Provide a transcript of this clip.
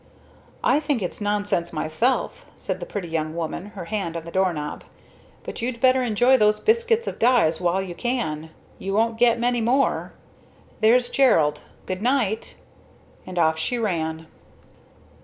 "I think it's nonsense myself," said the pretty young woman her hand on the doorknob. "But you'd better enjoy those biscuits of Di's while you can you won't get many more! There's Gerald good night!" And off she ran.